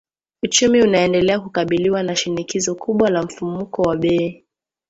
Uchumi unaendelea kukabiliwa na shinikizo kubwa la mfumuko wa bei.